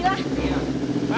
pulang ke gaba